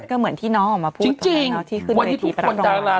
ก็เหมือนที่น้องออกมาพูดที่ขึ้นไปที่ประตูงราคา